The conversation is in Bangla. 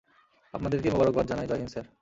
আপনাদেরকেই মোবারকবাদ জানাই জয় হিন্দ, স্যার!